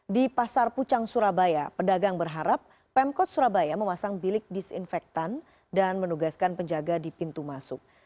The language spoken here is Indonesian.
di pasar pucang surabaya pedagang berharap pemkot surabaya memasang bilik disinfektan dan menugaskan penjaga di pintu masuk